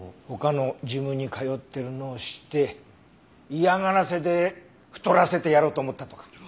他のジムに通ってるのを知って嫌がらせで太らせてやろうと思ったとか？